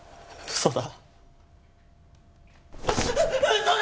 嘘だ！